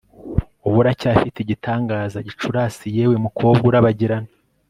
Wowe uracyafite igitangaza Gicurasi Yewe mukobwa urabagirana